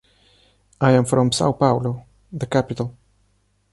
I am from Sao Paulo, the capital .